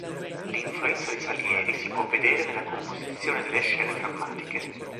L'influenza di Salieri si può vedere nella composizione delle scene drammatiche.